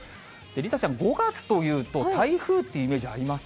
梨紗ちゃん、５月というと、台風というイメージあります？